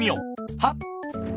はっ。